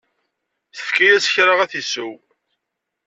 Tefka-as kra ad t-isew.